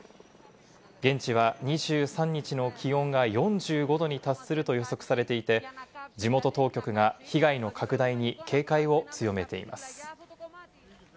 現地は２３日の気温が４５度に達すると予測されていて、地元当局が被害の拡大に警戒を強めています。